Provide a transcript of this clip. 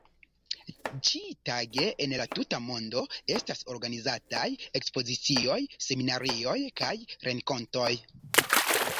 Ĉi-tage en la tuta mondo estas organizataj ekspozicioj, seminarioj kaj renkontoj.